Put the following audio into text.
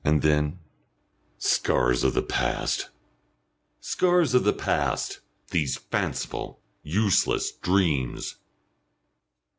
And then "Scars of the past! Scars of the past! These fanciful, useless dreams!"